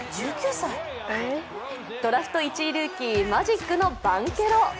ドラフト１位ルーキーマジックのバンケロ。